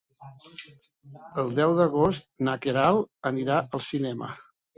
El deu d'agost na Queralt anirà al cinema.